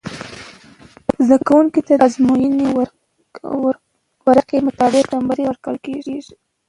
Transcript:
زده کوونکو ته د ازموينې ورقعی مطابق نمرې ورکول کیږی